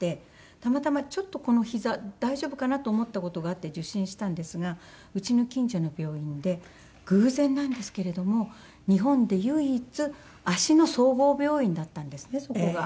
たまたまちょっとこの膝大丈夫かな？と思った事があって受診したんですがうちの近所の病院で偶然なんですけれども日本で唯一足の総合病院だったんですねそこが。